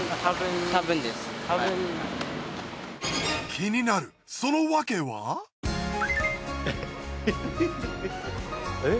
気になるその訳は？えっ？